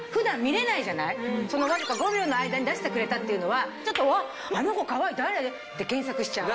そのわずか５秒の間に出してくれたっていうのはちょっと「あの子かわいい誰？」って検索しちゃう。